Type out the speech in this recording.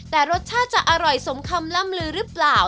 แต่รสชาติจะอร่อยสมคำล่ำลือหรือเปล่า